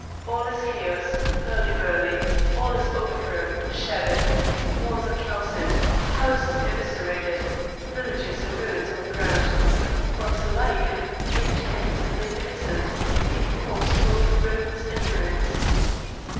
All is chaos, hurly burly; all is overthrown, shattered; walls are calcined, houses eviscerated, villages in ruins on the ground; but life, intense and magnificent, informs both roads and ruins.